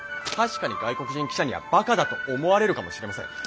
確かに外国人記者にはバカだと思われるかもしれません。